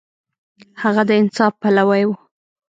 هغه د انصاف پلوی و.